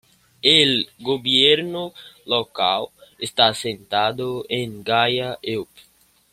El gobierno local está sentado en Gaya-eup.